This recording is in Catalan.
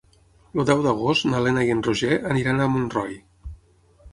El deu d'agost na Lena i en Roger aniran a Montroi.